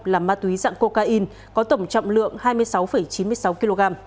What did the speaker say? là ma túy dạng cocaine có tổng trọng lượng hai mươi sáu chín mươi sáu kg